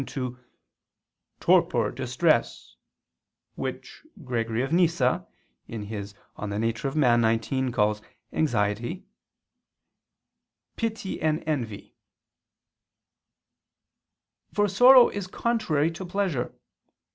into "torpor, distress," which Gregory of Nyssa [*Nemesius, De Nat. Hom. xix.] calls "anxiety," "pity," and "envy." For sorrow is contrary to pleasure.